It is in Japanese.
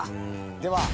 では